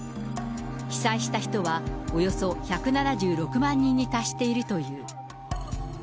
被災した人は、およそ１７６万人に達しているという。